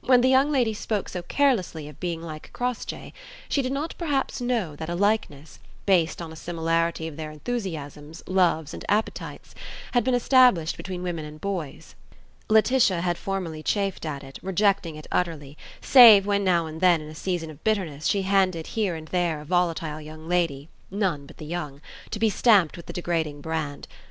When the young lady spoke so carelessly of being like Crossjay, she did not perhaps know that a likeness, based on a similarity of their enthusiasms, loves, and appetites, had been established between women and boys. Laetitia had formerly chafed at it, rejecting it utterly, save when now and then in a season of bitterness she handed here and there a volatile young lady (none but the young) to be stamped with the degrading brand.